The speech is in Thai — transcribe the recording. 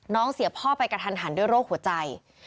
เสียพ่อไปกระทันหันด้วยโรคหัวใจ